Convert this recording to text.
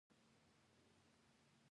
د ګاما وړانګې تر ټولو خطرناکې دي.